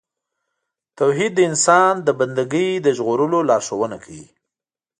توحید د انسان له بندګۍ د ژغورلو لارښوونه کوي.